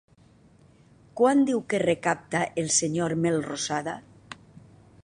Quant diu que recapta el senyor Melrosada?